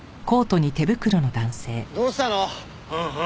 どうしたの？